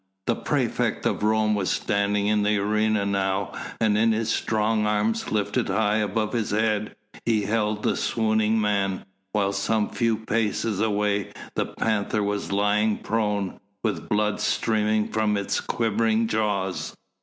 The praefect of Rome was standing in the arena now, and in his strong arms lifted high above his head he held the swooning man, whilst some few paces away the panther was lying prone, with blood streaming from its quivering jaws.